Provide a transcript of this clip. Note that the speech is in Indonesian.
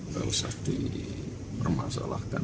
gak usah dipermasalahkan